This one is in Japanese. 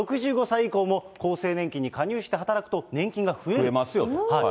６５歳以降も厚生年金に加入して働くと年金が増えますよと。